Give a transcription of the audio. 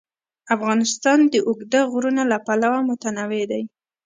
افغانستان د اوږده غرونه له پلوه متنوع دی.